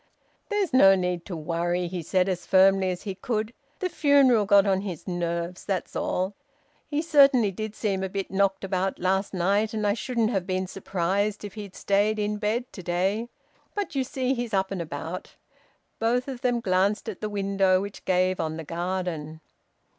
"There's no need to worry," he said as firmly as he could "The funeral got on his nerves, that's all. He certainly did seem a bit knocked about last night, and I shouldn't have been surprised if he'd stayed in bed to day. But you see he's up and about." Both of them glanced at the window, which gave on the garden.